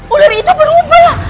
ular itu berubah